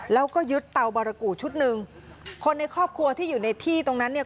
แล้วก็ยึดเตาบารกูชุดหนึ่งคนในครอบครัวที่อยู่ในที่ตรงนั้นเนี่ย